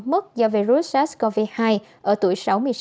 mất do virus sars cov hai ở tuổi sáu mươi sáu